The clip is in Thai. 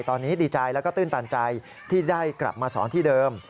ตอนนี้ดีใจแล้วก็ตื่นตันใจที่ได้กลับมาสอนที่เดิม